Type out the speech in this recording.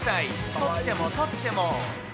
取っても取っても。